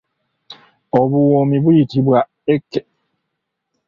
Obuwoomi buyitibwa ekke.